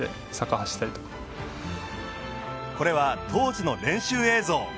これは当時の練習映像。